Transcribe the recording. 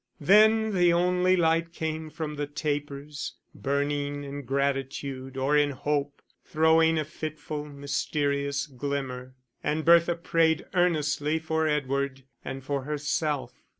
Then the only light came from the tapers, burning in gratitude or in hope, throwing a fitful, mysterious glimmer; and Bertha prayed earnestly for Edward and for herself.